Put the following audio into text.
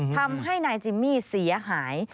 ทำให้นายจิมมี่เสียหาย